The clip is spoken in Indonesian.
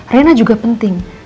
reina juga penting